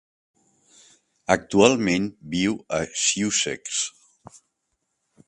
Actualment viu a Sussex.